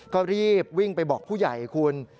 ก็รีบวิ่งไปบอกผู้ใหญ่คุณ